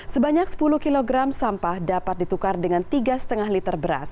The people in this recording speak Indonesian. sebanyak sepuluh kg sampah dapat ditukar dengan tiga lima liter beras